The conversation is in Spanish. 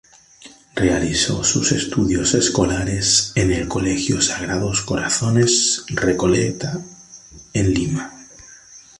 Realizó sus estudios escolares en el Colegio Sagrados Corazones Recoleta en Lima.